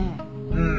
うん。